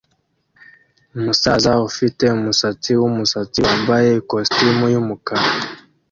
Umusaza ufite umusatsi wumusatsi wambaye ikositimu yumukara